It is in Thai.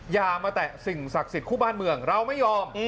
อย่ามาแตะสิ่งศักดิ์สิทธิ์คู่บ้านเมืองเราไม่ยอม